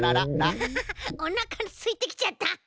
アハハハおなかすいてきちゃった。